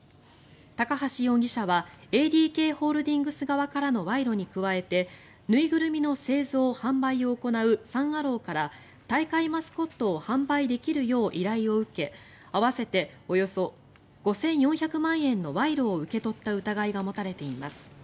高橋容疑者はＡＤＫホールディングス側からの賄賂に加えて縫いぐるみの製造・販売を行うサン・アローから大会マスコットを販売できるよう依頼を受け合わせておよそ５４００万円の賄賂を受け取った疑いが持たれています。